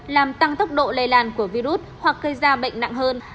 làm tăng tốc độ lây lan của virus hoặc cây da bệnh nặng hơn